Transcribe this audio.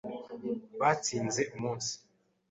Batsinze umunsi.